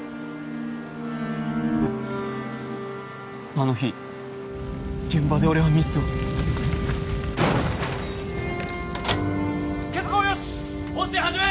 あの日現場で俺はミスを結合よし！放水始め！